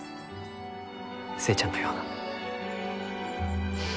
寿恵ちゃんのような。